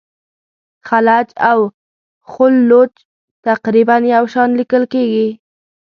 خلج او خُلُّخ تقریبا یو شان لیکل کیږي.